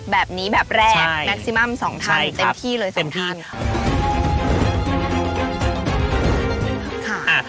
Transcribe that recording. แบบนี้แบบแรกแมคซิมัม๒ทันเต็มที่เลย๒ทัน